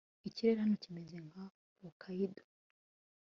Ikirere hano kimeze nka Hokkaido